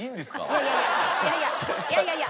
いやいやいやいやいやいやいやいや。